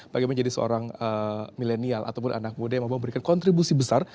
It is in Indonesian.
bagaimana jadi seorang milenial ataupun anak muda yang mau memberikan kontribusi besar